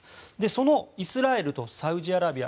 そのイスラエルとサウジアラビア